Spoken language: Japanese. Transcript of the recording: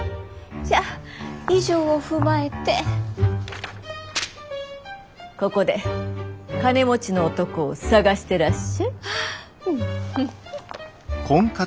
じゃあ以上を踏まえてここで金持ちの男を探してらっしゃい。